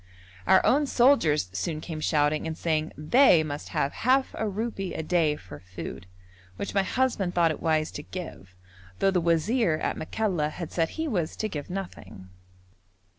Our own soldiers soon came shouting and saying they must have half a rupee a day for food, which my husband thought it wise to give, though the wazir at Makalla had said he was to give nothing.